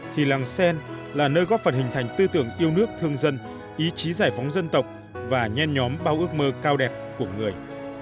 thì làng sen là nơi góp phần hình thành tư tưởng yêu nước thương dân ý chí giải phóng dân tộc và nhen nhóm bao ước mơ cao đẹp của người